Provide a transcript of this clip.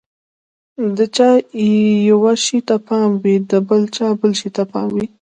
د چا یوه شي ته پام وي، د چا بل شي ته پام وي.